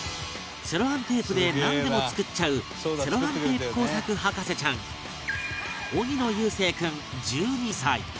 セロハンテープでなんでも作っちゃうセロハンテープ工作博士ちゃん荻野悠生君１２歳